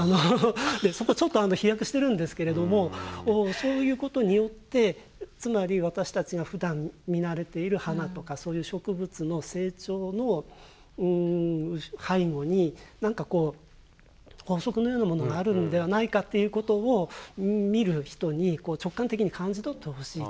そこちょっと飛躍してるんですけれどもそういうことによってつまり私たちがふだん見慣れている花とかそういう植物の成長の背後になんかこう法則のようなものがあるんではないかっていうことを見る人に直感的に感じ取ってほしいっていう。